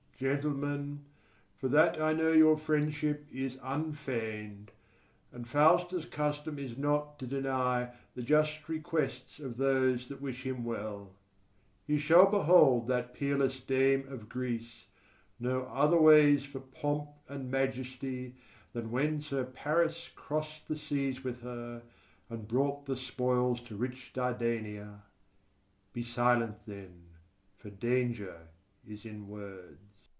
Gentlemen, For that I know your friendship is unfeign'd, And Faustus' custom is not to deny The just requests of those that wish him well, You shall behold that peerless dame of Greece, No otherways for pomp and majesty Than when Sir Paris cross'd the seas with her, And brought the spoils to rich Dardania. Be silent, then, for danger is in words.